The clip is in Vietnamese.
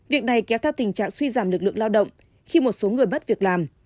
việc này kéo theo tình trạng suy giảm lực lượng lao động khi một số người mất việc làm